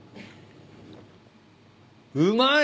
うまい！